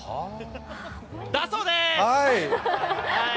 だそうでーす！